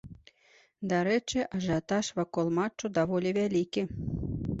Дарэчы, ажыятаж вакол матчу даволі вялікі.